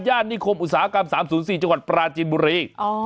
นิคมอุตสาหกรรม๓๐๔จังหวัดปราจีนบุรี